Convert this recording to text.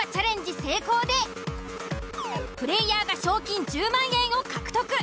成功でプレイヤ―が賞金１０万円を獲得。